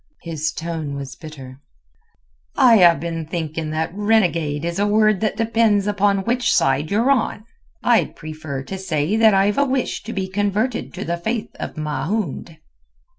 His tone was bitter. "I ha' been thinking that 'renegade' is a word that depends upon which side you're on. I'd prefer to say that I've a wish to be converted to the faith of Mahound."